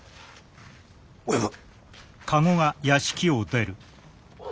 親分。